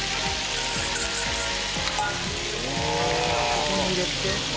ここに入れて？